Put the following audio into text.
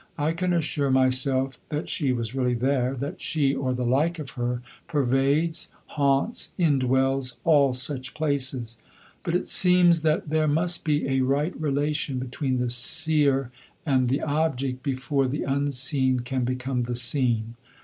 I can assure myself that she was really there, that she, or the like of her, pervades, haunts, indwells all such places; but it seems that there must be a right relation between the seer and the object before the unseen can become the seen.